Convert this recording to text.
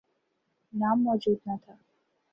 نام موجود نہ تھا۔